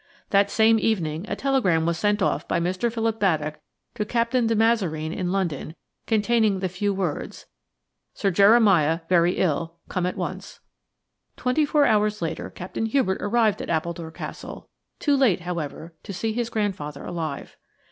That same evening a telegram was sent off by Mr. Philip Baddock to Captain de Mazareen in London, containing the few words: "Sir Jeremiah very ill. Come at once." Twenty four hours later Captain Hubert arrived at Appledore Castle–too late, however, to see his grandfather alive.